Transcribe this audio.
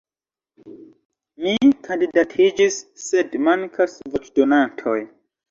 Mi kandidatiĝis, sed mankas voĉdonantoj.